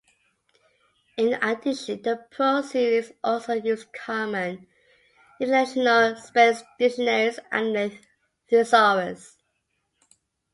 In addition, the Pro series also used common international spelling dictionaries and a thesaurus.